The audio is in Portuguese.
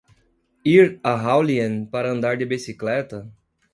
Ir a Hualien para andar de bicicleta